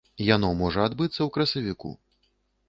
Яно можа адбыцца ў красавіку.